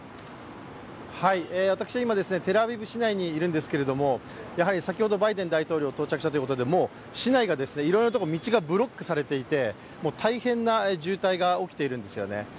私は今、テルアビブ市内にいるんですけども先ほどバイデン大統領到着したということで、市内がいろいろなところ、道がブロックされていて大変な渋滞が起きているんですね。